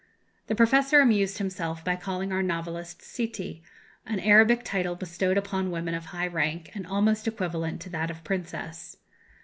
The professor amused himself by calling our novelist Sitti, an Arabic title bestowed upon women of high rank, and almost equivalent to that of "princess."